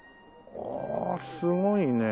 ああすごいね。